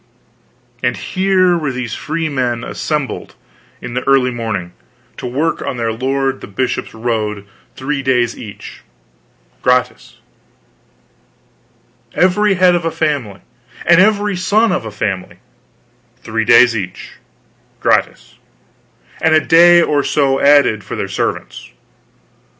And here were these freemen assembled in the early morning to work on their lord the bishop's road three days each gratis; every head of a family, and every son of a family, three days each, gratis, and a day or so added for their servants.